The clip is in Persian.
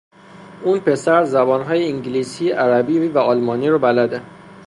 اون پسر زبانهای انگلیسی، عربی و آلمانی رو بلده.